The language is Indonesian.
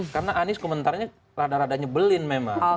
karena anies komentarnya rada rada nyebelin memang